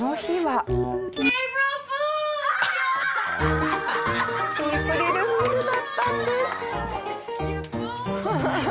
エイプリルフールだったんです。